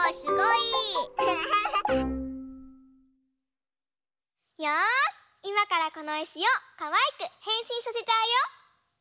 いまからこのいしをかわいくへんしんさせちゃうよ！